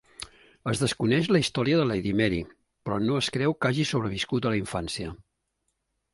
Es desconeix la història de Lady Mary, però no es creu que hagi sobreviscut a la infància.